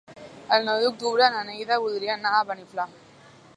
El nou d'octubre na Neida voldria anar a Beniflà.